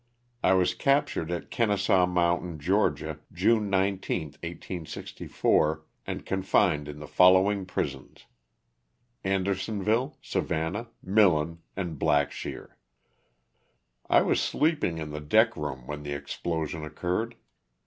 Was captured at Kenesaw Moun tain, Ga., June 19, 1864, and confined in the follow ing prisons: Andersonville, Savannah, Millen and Blackshear. I was sleeping in the deck room when the explosion occurred.